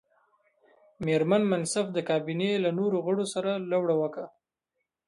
مېرمن منصف د کابینې له نورو غړو سره لوړه وکړه.